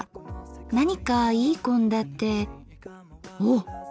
何かいい献立おっ！